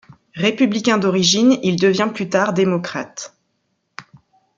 Républicain d'origine, il devient plus tard Démocrate.